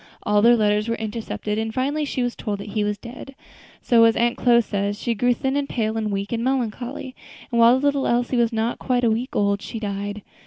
All their letters were intercepted, and finally she was told that he was dead; so, as Aunt Chloe says, 'she grew thin and pale, and weak and melancholy,' and while the little Elsie was yet not quite a week old, she died.